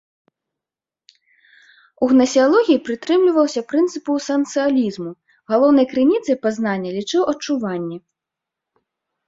У гнасеалогіі прытрымліваўся прынцыпаў сенсуалізму, галоўнай крыніцай пазнання лічыў адчуванне.